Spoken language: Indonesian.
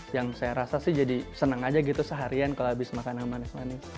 yang saya rasa sih jadi senang aja gitu seharian kalau habis makanan manis manis